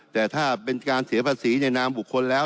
แต่ถ้าเป็นการเสียภาษีในนามบุคคลแล้ว